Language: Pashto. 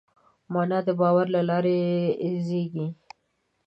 معنی د باور له لارې زېږي.